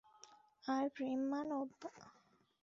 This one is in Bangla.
আর প্রেম মানব?